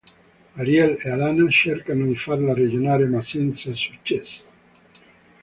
Ariel e Alana cercano di farla ragionare ma senza successo.